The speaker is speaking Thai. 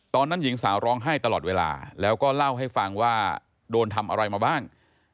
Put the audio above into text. ตอนนั้นหญิงสาวร้องไห้ตลอดเวลาแล้วก็เล่าให้ฟังว่าโดนทำอะไรมาบ้าง